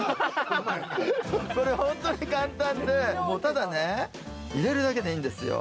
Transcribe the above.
これほんとに簡単で、ただね入れるだけでいいんですよ。